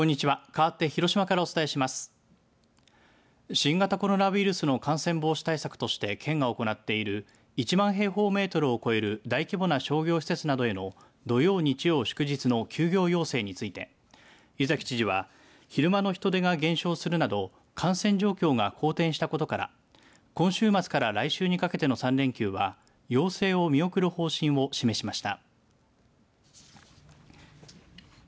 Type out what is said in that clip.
新型コロナウイルスの感染防止対策として県が行っている１万平方メートルを超える大規模な商業施設などへの土曜、日曜、祝日の休業要請について湯崎知事は昼間の人出が減少するなど感染状況が好転したことから今週末から来週にかけての３連休は要請を見送る方針を示しました。